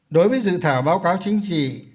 đối với dự thảo báo cáo chính trị